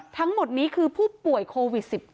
ทั้งหมดนี้คือผู้ป่วยโควิด๑๙